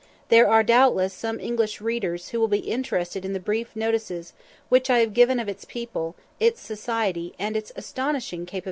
There are, doubtless, some English readers who will be interested in the brief notices which I have given of its people, its society, and its astonishing capabilities.